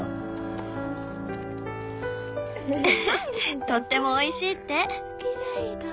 ウフフとってもおいしいって。